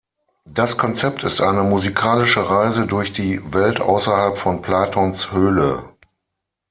Das Konzept ist eine musikalische Reise durch die Welt außerhalb von Platons Höhle.